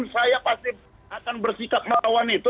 saya pasti akan bersikap melawan itu